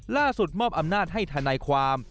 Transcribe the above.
ล่าสุดมอบอำนาจให้ทะนายความ